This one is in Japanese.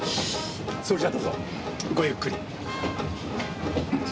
それじゃどうぞごゆっくり。